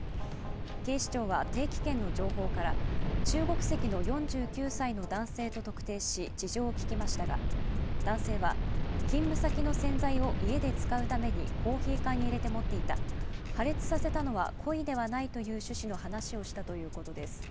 警視庁は定期券の情報から中国籍の４９歳の男性と特定し事情を聴きましたが、男性は勤務先の洗剤を家で使うためにコーヒー缶に入れて持っていた、破裂させたのは故意ではないという趣旨の話をしたということです。